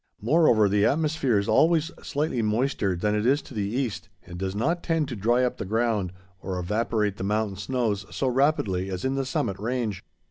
Moreover, the atmosphere is always slightly moister than it is to the east, and does not tend to dry up the ground or evaporate the mountain snows so rapidly as in the summit range.